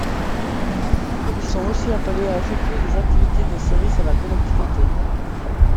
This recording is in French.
Ils sont aussi appelés à effectuer des activités de service à la collectivité.